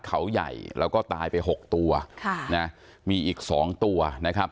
เขาใหญ่แล้วก็ตายไปหกตัวค่ะนะมีอีกสองตัวนะครับ